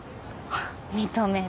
認める。